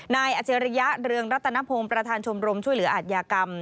อาจริยะเรืองรัตนพงศ์ประธานชมรมช่วยเหลืออาทยากรรม